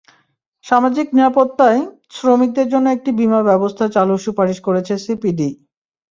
সামাজিক নিরাপত্তায় শ্রমিকদের জন্য একটি বিমা ব্যবস্থা চালুর সুপারিশ করেছে সিপিডি।